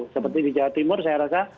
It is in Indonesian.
seperti di jawa timur saya rasa